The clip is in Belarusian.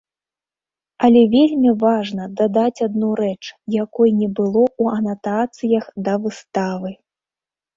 Але вельмі важна дадаць адну рэч, якой не было ў анатацыях да выставы.